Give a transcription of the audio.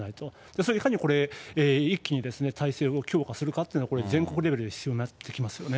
それをいかにこれ、一気に体制を強化するかというのは、これ、全国レベルで必要になってきますよ